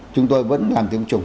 chúng tôi vẫn làm tiêm chủng